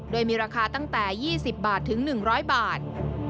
โดยมีราคาตั้งแต่๒๐บาทถึง๑๐๐บาท